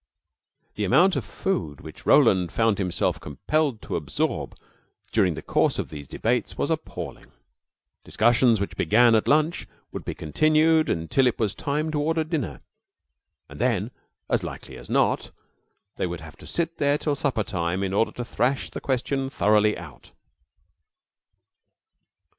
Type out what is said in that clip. The amount of food which Roland found himself compelled to absorb during the course of these debates was appalling. Discussions which began at lunch would be continued until it was time to order dinner; and then, as likely as not, they would have to sit there till supper time in order to thrash the question thoroughly out.